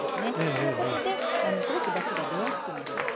このことですごくだしが出やすくなります。